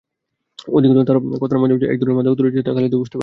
অধিকন্তু তার কথার মাঝেও যে এক ধরনের মাদকতা রয়েছে তা খালিদও বুঝতে পারেন।